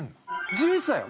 １１歳よ。